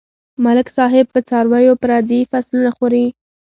ملک صاحب په څارويو پردي فصلونه خوري.